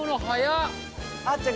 あっちゃん